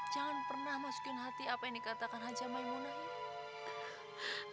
jangan pernah masukin hati apa yang dikatakan aja maimunah